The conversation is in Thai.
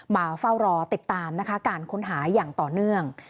มาเฝ้ารอติดตามนะคะการค้นหาอย่างต่อเนื่อง